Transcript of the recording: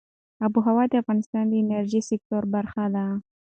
آب وهوا د افغانستان د انرژۍ سکتور برخه ده.